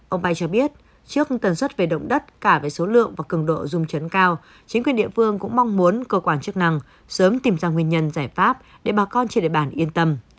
ông bay cho biết trước tần suất về động đất cả về số lượng và cường độ dung chấn cao chính quyền địa phương cũng mong muốn cơ quan chức năng sớm tìm ra nguyên nhân giải pháp để bà con trên địa bàn yên tâm